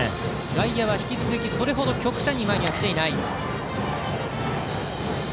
外野は引き続きそれ程、極端には前に来ていない。